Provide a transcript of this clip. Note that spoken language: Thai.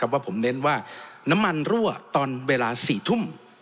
ว่าผมเน้นว่าน้ำมันรั่วตอนเวลา๔ทุ่ม